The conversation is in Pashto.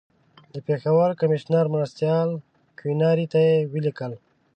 د پېښور کمیشنر مرستیال کیوناري ته یې ولیکل.